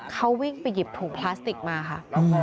เขาวิ่งไปหยิบถุงพลาสติกมาค่ะ